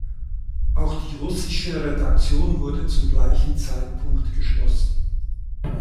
Auch die russische Redaktion wurde zum gleichen Zeitpunkt geschlossen.